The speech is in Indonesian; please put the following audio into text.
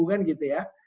kan gitu ya